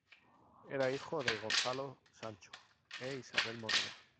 Era hijo de Gonzalo Sancho e Isabel Morena.